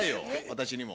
私にも。